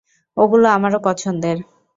ওগুলো আমারও পছন্দের।